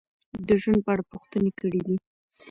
د ژوند په اړه پوښتنې کړې دي: